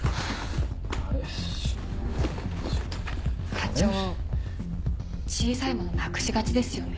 課長小さい物なくしがちですよね。